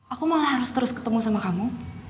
aku malah harus terus ketemu sama kamu